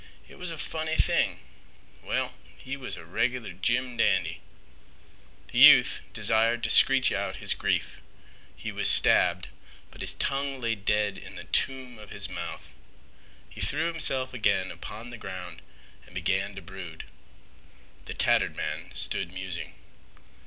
It was a funny thing. Well, he was a reg'lar jim dandy." The youth desired to screech out his grief. He was stabbed, but his tongue lay dead in the tomb of his mouth. He threw himself again upon the ground and began to brood. The tattered man stood musing.